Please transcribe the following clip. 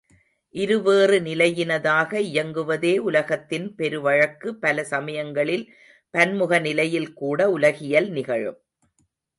இருவேறு நிலையினதாக இயங்குவதே உலகத்தின் பெருவழக்கு பல சமயங்களில் பன்முக நிலையில் கூட உலகியல் நிகழும்.